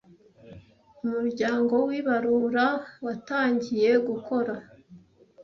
umuryango w’ibarura watangiye gukora